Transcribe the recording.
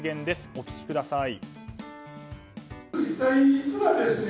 お聞きください。